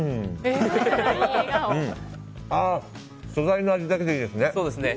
素材の味だけでいいですね。